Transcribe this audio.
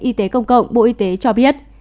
y tế công cộng bộ y tế cho biết